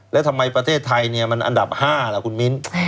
แล้วทำไมประเทศไทยมันอันดับ๕แล้วคุณมิ้น